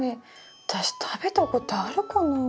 私食べたことあるかな？